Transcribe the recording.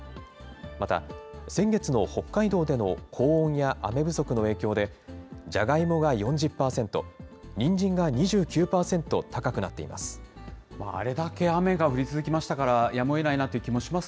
また、先月の北海道での高温や雨不足の影響で、じゃがいもが４０％、にんじんが２９％高くなっています。